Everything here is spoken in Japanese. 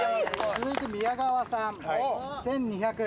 続いて宮川さん１２００。